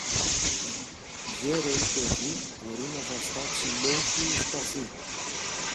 γέρο ή παιδί μπορεί να βαστάξει λόγχη ή σπαθί